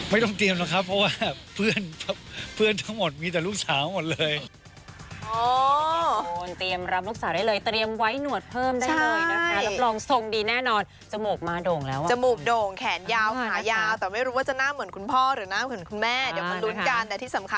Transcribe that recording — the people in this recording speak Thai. วิจิคือวิลสตีผู้กล้าหาค่ะ